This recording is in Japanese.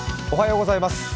おはようございます。